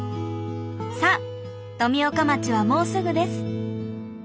さあ富岡町はもうすぐです。